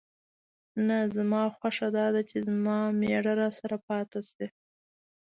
نه، زما خوښه دا ده چې زما مېړه راسره پاتې شي.